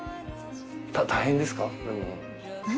大変ですか？